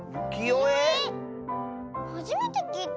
はじめてきいた！